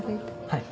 はい。